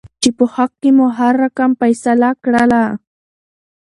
چې په حق کې مو هر رقم فيصله کړله.